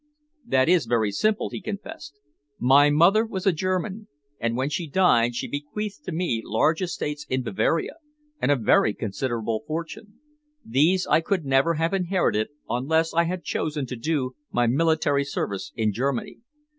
"That is very simple," he confessed. "My mother was a German, and when she died she bequeathed to me large estates in Bavaria, and a very considerable fortune. These I could never have inherited unless I had chosen to do my military service in Germany.